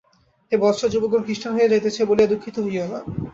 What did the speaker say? হে বৎস, যুবকগণ খ্রীষ্টান হইয়া যাইতেছে বলিয়া দুঃখিত হইও না।